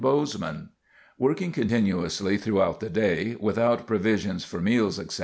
S. Forest Service)] Working continuously through the day, without provisions for meals, etc.